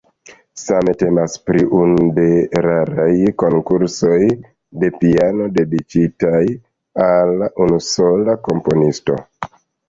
Same temas pri unu de raraj konkursoj de piano dediĉitaj al unusola komponisto.